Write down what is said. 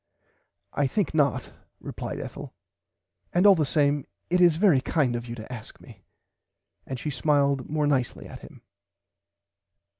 I think not replied Ethel and all the same it is very kind of you to ask me and she smiled more nicely at him.